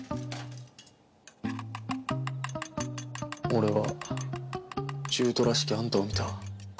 俺は獣人らしきあんたを見た。